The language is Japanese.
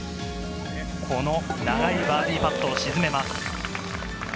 この長いバーディーパットを沈めます。